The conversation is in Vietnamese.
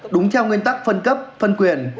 đúng theo nguyên tắc phân cấp phân quyền